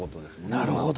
なるほど。